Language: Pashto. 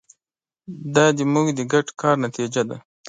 دا زموږ د ګډ کار نتیجه ده.